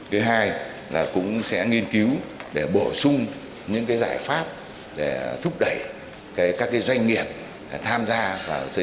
cái hai là cũng sẽ nghiên cứu để bổ sung những cái giải pháp để thúc đẩy các doanh nghiệp tham gia vào xây dựng nhà ở xã hội